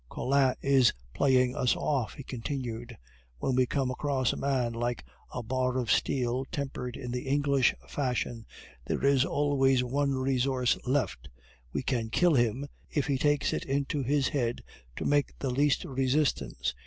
"Collin is playing us off," he continued. "When we come across a man like a bar of steel tempered in the English fashion, there is always one resource left we can kill him if he takes it into his head to make the least resistance.